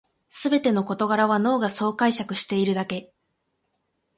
すべての事柄は脳がそう解釈しているだけ